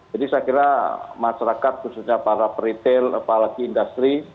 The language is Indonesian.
jadi saya kira masyarakat khususnya para retail apalagi industri